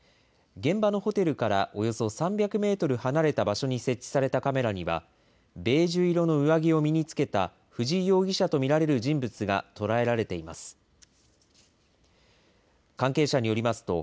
現場のホテルからおよそ３００メートル離れた場所に設置されたカメラには、ベージュ色の上着を身につけた藤井容疑者と見られる人物が捉えられています。